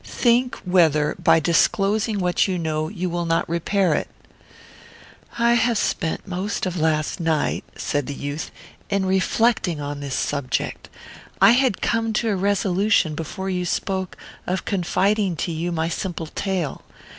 Think whether, by disclosing what you know, you will not repair it." "I have spent most of last night," said the youth, "in reflecting on this subject. I had come to a resolution, before you spoke, of confiding to you my simple tale.